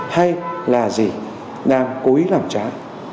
hay là gì đang cố ý làm trái